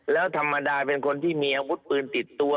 แล้วธรรมดาเป็นคนที่มีอาวุธปืนติดตัว